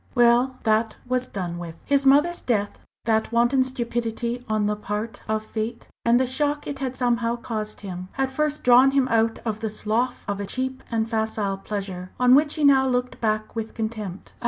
Well, that was done with! His mother's death that wanton stupidity on the part of fate and the shock it had somehow caused him, had first drawn him out of the slough of a cheap and facile pleasure on which he now looked back with contempt.